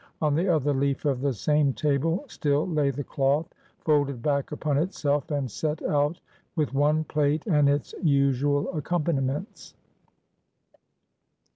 On the other leaf of the same table, still lay the cloth, folded back upon itself, and set out with one plate and its usual accompaniments.